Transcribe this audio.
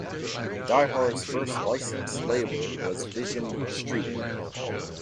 Die Hard's first licensed label was Vision Streetwear.